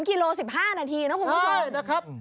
กิโล๑๕นาทีนะคุณผู้ชมใช่นะครับ